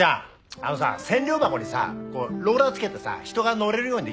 あのさ千両箱にさローラー付けてさ人が乗れるようにできるかな